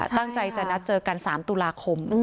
ตั้งใจจะนัดเจอกัน๓ตุลาคม